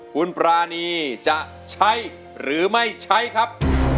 คุณปรานีจะใช้หรือไม่ใช้ครับ